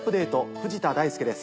藤田大介です。